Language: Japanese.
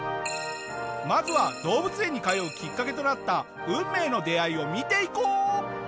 まずは動物園に通うきっかけとなった運命の出会いを見ていこう。